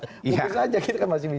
tentu saja kita masih bisa